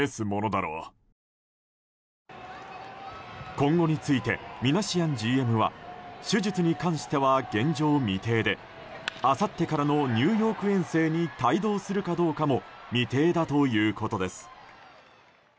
今後についてミナシアンＧＭは手術に関しては現状未定であさってからのニューヨーク遠征に帯同するかどうかも未定だということです。